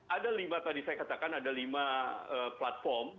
ada lima tadi saya katakan ada lima platform